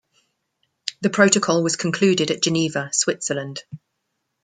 The protocol was concluded at Geneva, Switzerland.